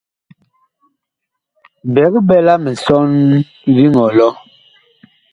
Big ɓɛla misɔn viŋ ɔlɔ.